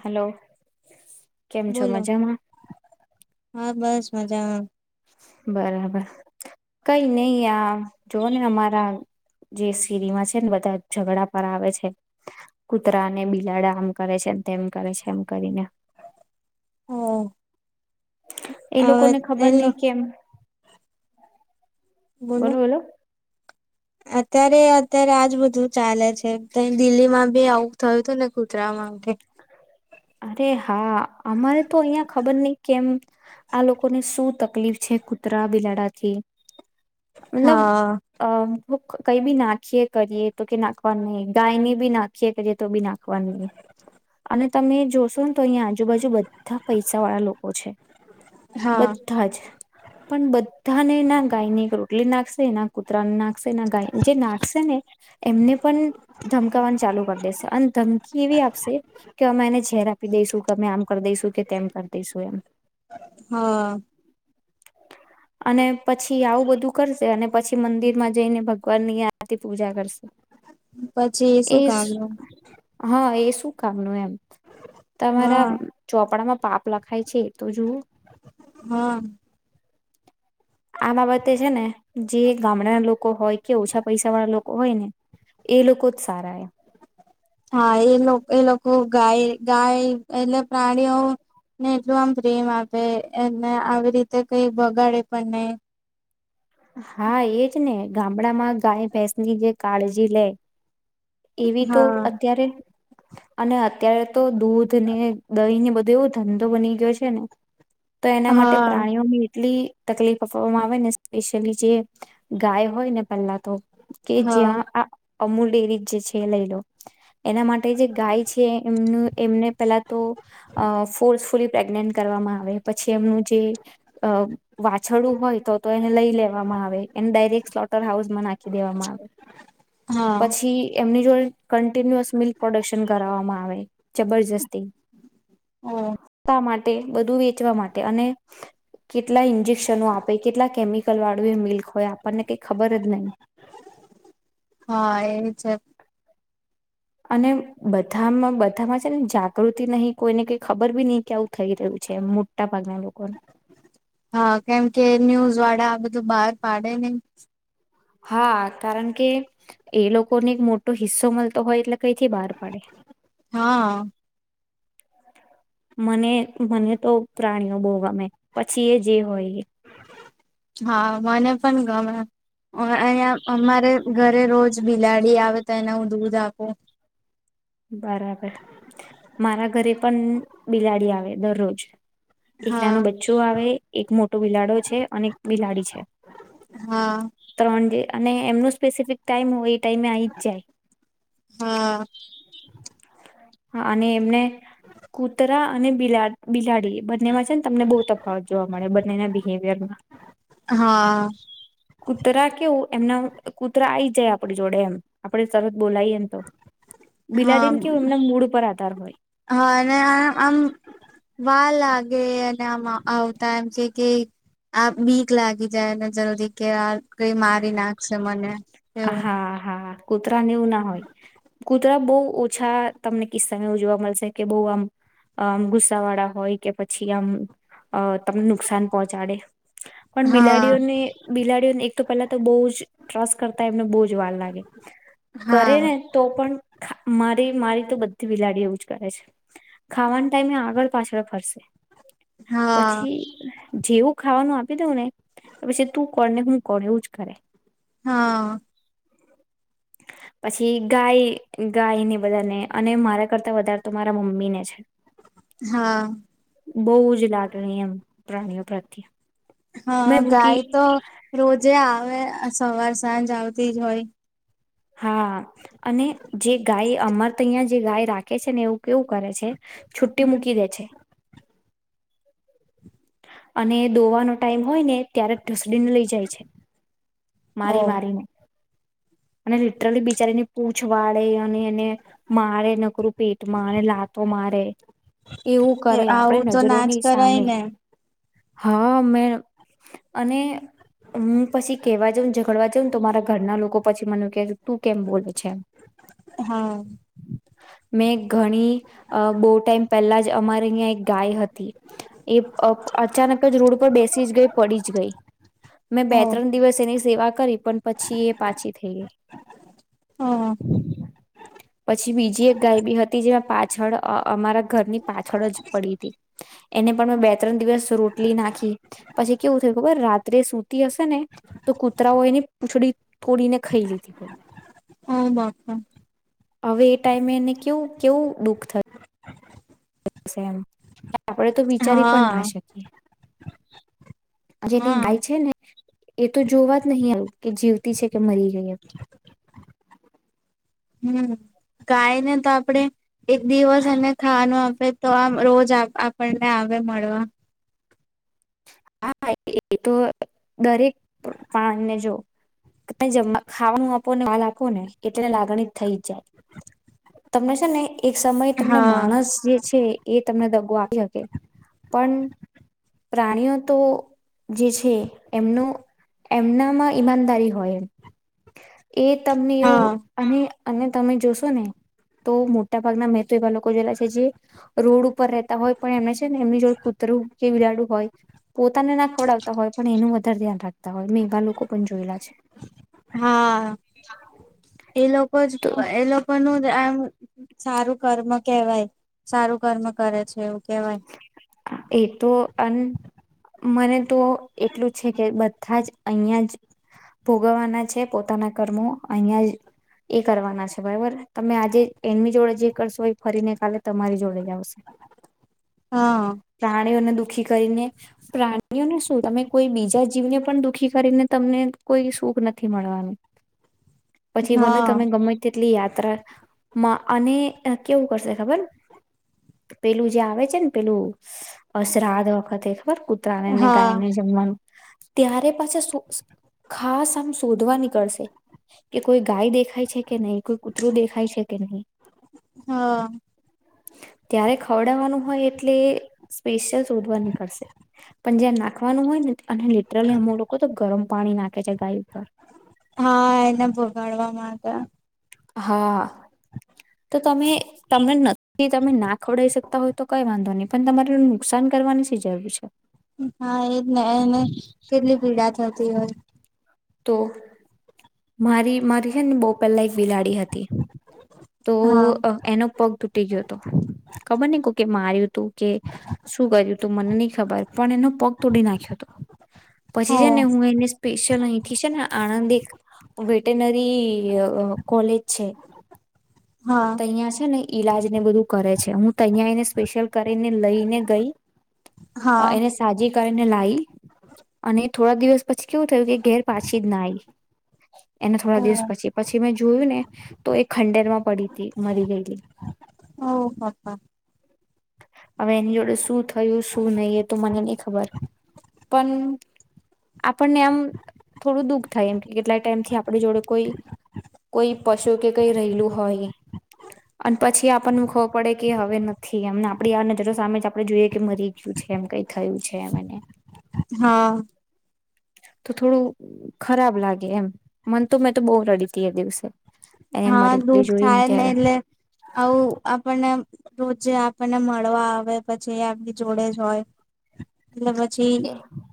Hello કેમ છો બોલો મજામાં? હા, બસ મજામાં. બરાબર કઈ નઈ આ જોઓ ને અમારા જે સિરીમાં છે ને બધા ઝઘડા પર આવે છે. કુતરા ને બિલાડા આમ કરે છે. તેમ કરે છે એમ કરીને હ એ હવે લોકોને ખબર નય એલો કેમ બોલો બોલો અત્યારે-અત્યારે આજ બધું ચાલે છે તય દિલ્હી માં બી આવું થયું હતું ને કુતરા માટે. અરે હા અમારે તો અહિયાં ખબર નય કેમ આ લોકોને શું તકલીફ છે, કુતરા બિલાડાથી. મતલબ હા અ કઈ બી નાખીએ કરીએ તો કે નાખવાનું નહી ગાય ને બી નાખીએ કરીએ તો બી નાખવાનું નહી અને તમે જો. શું તો અહીં આજુબાજુ બધા પૈસા વાળા લોકો છે. હા બધા જ પણ બધાને ના ગાય ની રોટલી નાખ શે ના કુતરા ના ખશે ગાય જે નાખશે ને એમને પણ ધમકવાનું ચાલુ કરી દેશે અને ધમકી એવી આપશે એને છેેર આપી દઈશું કેમે આમ કરી દઈશું કે તેમ કરી દઈશું એમ. હા અને પછી આવું બધું કરશે અને પછી મંદિર માં જઈને ભગવાનની આરતી પૂજા કરશે. પછી એ શું કામ નું. હા એ શું કામ નું એમ. તમારા ચોપડામાં પાપ લખાય છે. તો જુઓ હા. આ બાબતે છે ને જે ગામડાના લોકો હોય કે ઓછા પૈસા વાળા લોકો હોય ને એ લોકો જ સારા. હા, એ લોકો એ લોકો ગાય ગાય એટલે પ્રાણીઓને એટલું આમ પ્રેમ આપે એને આવી રીતે કઈ બગાડે પણ નહી. હા એજ ને. ગામડામાં ગાય ભેંસ ની જે કાળજી લે એવી તો હા અત્યારે અને અત્યારે તો દૂધ ને દહી ની બ દેવો ધંધો બની ગયો છે ને. તો એના માટે હા પ્રાણીઓની એટલી તકલીફ આપવામાં આવે ને સ્પેશિયલી જે ગાય હોય ને પહેલા તો કે હા જ્યાં આ અમુલ ડેરી છે લઈ લો. એના માટે જે ગાય છે એમનું એમને પેલા તો અ ફોર્સફુલી પ્રેગ્નેન્ટ કરવામાં આવે પછી એમનું જે વાછડું હોય તો તો એને લઈ લેવામાં આવે એને ડાયરેક્ટ સ્લોટર હાઉસમાં નાખી દેવામાં આવે હા પછી એમની જોડે કન્ટિન્યુઅસ મિલ્ક પ્રોડક્શન કરાવવામાં આવે જબરજસ્તી હમ્મ. માટે બધું વેચવા માટે અને કેટલા ઇન્જેકશનો આપે કેટલા કેમિકલ વાળું એ મિલ્ક હોય આપણને કઈ ખબર જ નહી. હા એ છે. અને બધામાં બધામાં છે ને જાગૃતિ નહી કોઈને કઈ ખબર બી નહી. કેવું થઈ રહ્યું છે મોટા ભાગના લોકોને તો બહાર પાડે નહીં હા કારણ કે એ લોકોને એક મોટો હિસ્સો મળતો હોય એટલે કઈથી બહાર પાડે. હા મને મને તો પ્રાણીઓ બઉ હા મને પણ ગમે. અ અંયા અમારે ઘરે રોજ બિલાડી આવે તો એને હું દૂધ આપું. બરાબર મારા ઘરે પણ બિલાડી આવે દરરોજ. એક હા નાનું બચ્ચું આવે એક મોટો બિલાડો છે અને એક બિલાડી છે હા ત્રણ જે અને એમનું સ્પેસિફિક ટાઈમ હોય. ટાઈમે આવી જ જાય. હા અને એમને કૂતરા અને બિલા બિલાડી બંનેમાં છે ને તમને બહુ તફાવત જોવા મળે બંનેના બિહેવિયરમાં. હા કૂતરા કેવું એમના કૂતરા આઈ જાય આપણી જોડે એમ આપડે સરત બોલાઈ એને તો હા બિલાડીને કેવું એમના મૂડ પર આધાર હોય હા અને આ આમ વાર લાગે આવતા એમ કે કે આપ બીક લાગી જાય ને જલદી કે કઈ મારી નાખશે મને એવું હા હા કૂતરા એવું ના હોય કૂતરા બહુ ઓછા તમને કિસ્સા ઉજવા મળશે કે બોહ આમ આમ ગુસ્સા વાળા હોય કે પછી આમ તમને નુકસાન પહોંચાડે પણ હા બિલાડીઓને બિલાડીઓને એક તો પેલા ટ્રસ્ટ કરતા એમને બો જ વાર લાગે કરે હા ને તો પણ મારી મારી તો બધી બિલાડી એવુંજ કરે છે ખાવાનું ટાઈમે આગળ પાછળ ફરશે હા પછી જેવું ખાવાનું આપી દઉં ને પછી તું કર ને હું કર એવું જ કર હા પછી ગાય ગાય ને બધાને અને મારા કરતા વધારે તો મારા મમ્મી ને છે. હા બહ જ લાગણી એમ પ્રાણીઓ પ્રત્યે હા મેં ભૂકી હવે સવાર સાંજ આવતી જ હોય. હા અને જે ગાય અમાર તો અહં જે ગાય રાખે છે ને એવું કેવું કરે છે. છુટ્ટી મૂકી દે છે. અને દોવાનો ટાઈમ હોય ને ત્યારે દિન લઈ જાય છે ઓ. મારી મારીને. અને લિટરલી બીજ બચારની પૂંછ વાળે અને એને મારે નકરું પેટમાં અને લાતો મારે એવું એ કરે આવું આપણે તો ના જ નજરોની કરાય સામે ને હા મે અને હું પછી કેવા જાઉં ઝઘડવા જાઉં તો મારા ઘરના લોકો પછી મને કે તું કેમ બોલે છે હા. મેં ઘણી બહુ ટાઈમ પહેલા જ અમારે અં એક ગાય હતી. અચાનક જ રોડ પર બેસી જ ગઈ પડી જ ગઈ મેં બે ઓ ત્રણ દિવસ એની સેવા કરી પણ પછી એ પાછી થઈ ઓ ગઈ પછી બીજી એક ગાયબી હતી જે છળ અમારા ઘરની પાછળ જ પડીતી. એને પણ મેં બે ત્રણ દિવસ રોટલી નાખી પછી કેવું થયું ખબર રાત્રે સૂતી હશે ને તો કૂતરાઓ એને પૂંછડી તોડીને ખાઈ લીધી. ઓ બાપા. હવે એ ટાઈમે એને કેવું કેવું દુઃખ થ યું સ એને આપણે તો વિચારી પણ ના હા શકીએ. જેની હા [unintelligible] છે ને એ તો જોવા જ નહીં આવ કે જીવતી છે કે મરી ગઈ. હમ ગાય ને તો આપડે એક દિવસ અને ખાવાનો હવે તો આમ રોજ આપણને આવે મળવા. હા એ તો દરેક પ્રાણ ને જો ત જમ ખાવાનું આપો વાલ આપો ને એટલે લાગણી થઈ જ જાય તમને છે ને. એક સમયે તમને હા માણસ જે છે. એ તમને દગો આપી શકે પણ પ્રાણીઓ તો જે છે એમનો એમનામાં ઈમાનદારી હોય. એ તમને એવું હા અને અને તમે જોશો ને તો મોટા ભાગના મેં તો એવા લોકો જોયેલા છે જે રોડ ઉપર રહેતા હોય પણ એમને છે ને એમની જોડે કૂતરું કે બિલાડું હોય ના ખવડાવતા હોય પણ એનું વધારે ધ્યાન રાખે હા, એ લોકો જ તો એ લોકોનું આમ સારું કર્મ કેવાય સારું કર્મ કરે છે. એવું કેવાય એ તો અન મને તો એટલું જ છે કે બધા જ અહિયાં જ ભોગવવાના છે પોતાના કર્મો અહિયાં જ એ કરવાના છે બરાબર તમે આજે એમની જોડે જે કરશો એ ફરીને કાલે તમારી જોડે જ આવશે. હા પ્રાણીઓને દુખ દુઃખી કરીને પ્રાણીઓને શું તમે કોઈ બીજા જીવને પણ દુઃખી કરીને તમને કોઈ સુખ નથી મળવાનું. પછી ભલે હા તમે ગમે તે. લી યાત્રા માં અને કેવું કરશે ખબર પેલું જે આવે છે ને પેલું અ શ્રાદ્ધ વખત ખબર કૂતરાને ને હા. ગાયને જમવાનું ત્યારે પાછા સૂક્ષ ખાસ આમ શોધ ધૂવા નીકળશે કે કોઈ ગાય દેખાય છે કે નહીં. કોઈ કૂતરું દેખાય છે કે નહી. હા ત્યારે ખ ખવડાવવાનું હોય એટલે સ્પેશિયલ શોધવા નીકળશે પણ જ્યાં નાખવાનું હોય ને અને લિટરલી અમુ લોકો તો ગરમ પાણી નાખ કે છે ગાય ઉપર. હા, એને ભોગાડવા માટે. હા. તો તમે તમને નથી તમે ના ખવડઈ શકતા હોય તો કઈ વાંધો નહીં પણ તમારે નુકસાન કરવાની શી જરૂર છે? હા, એજને એને કેટલી પીડા થત તી હોય. તો. મારી મારી છે ને બો પેલા એક બિલાડી હતી. તો હા અ એનો પગ તૂટી ગયો હતો ખબર ને કો કે કે માર્યું તું કે શું કર્યું તું મને નહી ખબર પણ એનો પગ તોડી નાખ્યો હતો પછી ઓ છે ને હું એને સ્પેશિયલ અહીં આણંદ ની એક વેટનરી અ-અ કોલેજ છે. હા ત અહીં છે ને ઈલાજ ને બધું કરે છે હું તયાં એને સ્પેશિયલ કરીને લઈને ગઈ. અ હા એને સાજી કરીને લાઈ અને થોડા દિવસ પછી કેવું થયું કે ઘેર પાછી જ ના આઈ. એને થોડા ઓ દિવસ પછી પછી મે જોયું ને તો એ ખંડેર માં પડી [unintelligible] મરી ગયેલી. ઓ હા હા! હવે એની જોડે શું થયું શું નહિ એ તો મને નઈ ખબર પણ, આપણને આમ થોડું દુઃખ થાય એમ કે કેટલા ટાઈમ થી આપડી જોડે કોઈ કોઈ પશુ કે કઈ રહેલું હોય અન પછી આપણને ખબર પડે કે હવે નથી એમને આપડી આ નજરો સામે જ આપણે જોઈએ કે મરી ગયું છે એમ કઈ થયું છે હા. તો થોડું ખરાબ લાગે એમ મન તો મેં તો બો રડી ત એ દિવસે એને હા મરેલી દુઃખ જોઈને થાય ને ત્યારે એટલે આવુ આપણે ને એમ રોજે આપણને મળવા આવે પછી આપની જોડે જ હોય. એટલે પછી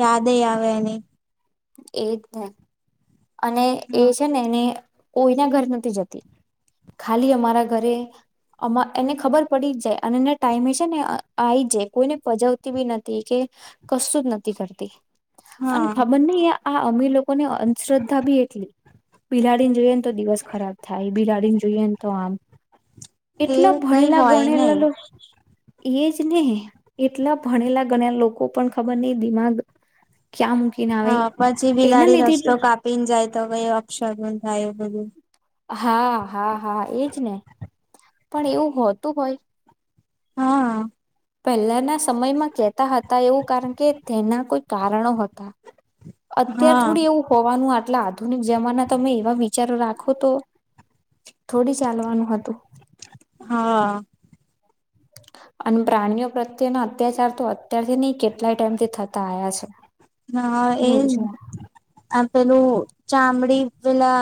યાદે આવે [unintelligible] એની એજને. અને એ છે ને એની કોઈના ઘર નથી જતી ખાલી અમારા ઘરે અ એને ખબર પડી જ જાય અને એના ટાઈમે છે ને આવી જાય કોઈને પજવતી બી નથી કે કશું જ નથી કરતી. અને હા ખબર નહી આ અમીર લોકો ને [unintelligible] શ્રદ્ધા બી એટલી બિલાડીને જોઈએને તો દિવસ ખરાબ થાય બિલાડી ને જોઈએ ને તો આમ. એટલા એવું કઈ ભણેલા હોય નઈ ગણેલા લો એ જ ને એટલા ભણેલા ગણા લોકો પણ ખબર નહિ દિમાગ ક્યાં મૂકીને આવે હા પછી એના બિલાડી રસ્તો લીધે કાપ પી ને જાય તો કઈ અપક્ષર થાય એ બધું હા હા હા એજ ને પણ એવું હોતું હોય હા. પહેલાના સમયમાં કહેતા હતા એવું કારણ કે તેના કોઈ કારણો હતા. અત્યાર હા થોડી એવું હોવાનું આટલા આધુનિક જમાના તમે એવા વિચારો રાખો તો થોડી ચાલવાનું હતું. હા અને પ્રાણીઓ પ્રત્યેના અત્યાચાર તો અત્યારથી નહિ કેટલાય ટાઈમથી થતા આયા છે. હા એજ એવું છે આ પેલું ચામડી પેલા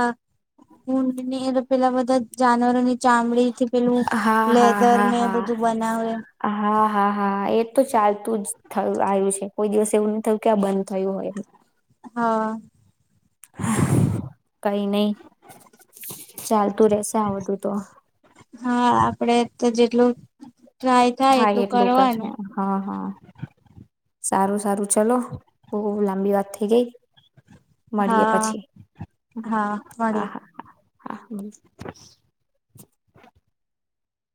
ઉડની એ પેલા બધા જાનવરોની ચામડી થી પેલું હા હા લેધર હા ને હા બધું બનાવે હા હા હા એ તો ચાલતું જ થયું આવ્યું છે કોઈ દિવસ એવું ન થયું કે આ બંધ થયું હોય એ હા કઈ નહિ ચાલતું રેશે આ બધું તો હા આપડે તો જેટલું થાય એટલું કરી જ હા હા. સારું સારું ચલો બહુ લાંબી વાત થઇ ગઈ. મળીએ હા પછી હા હા મળી હા હા. હમ.